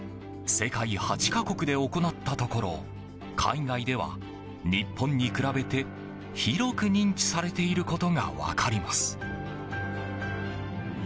世界８か国で行ったところ海外では日本に比べて広く認知されていることが分かります。